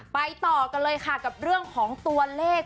ไปต่อกันเลยค่ะกับเรื่องของตัวเลข